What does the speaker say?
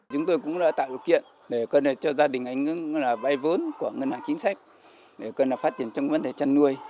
chúng tôi cũng đã tạo điều kiện để cho gia đình anh vay vốn của ngân hàng chính sách để phát triển trong vấn đề chăn nuôi